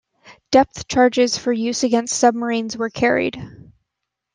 Depth charges for use against submarines were carried.